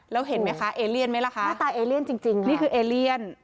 แล้วเห็นไหมคะเอเลียนไหมล่ะคะหน้าตาเอเลียนจริงนี่คือเอเลียน